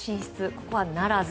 ここは、ならず。